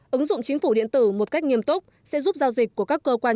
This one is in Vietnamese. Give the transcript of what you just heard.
ứng dụng chính phủ điện tử một cách nghiêm túc sẽ giúp giao dịch của các cơ quan